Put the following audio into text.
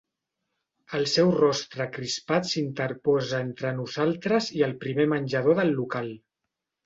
El seu rostre crispat s'interposa entre nosaltres i el primer menjador del local.